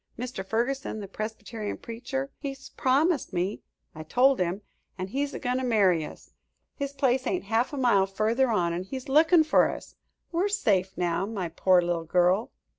Mr. Ferguson, the Presbyterian preacher he's promised me I told him an' he's a goin' to marry us. His place ain't half a mile further on, an' he's lookin' fer us. We're safe now, my poor little girl."